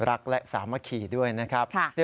รักและสามัคคีด้วยนะครับ